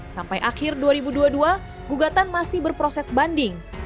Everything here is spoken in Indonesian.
sampai akhir dua ribu dua puluh dua gugatan masih berproses banding